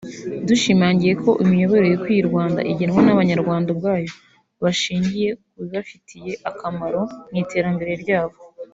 Dushimangiye ko imiyoborere ikwiye u Rwanda igenwa n’Abanyarwanda ubwabo bashingiye ku bibafitiye akamaro mu iterambere ryabo